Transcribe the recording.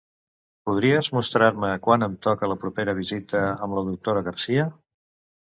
Podries mostrar-me quan em toca la propera visita amb la doctora Garcia?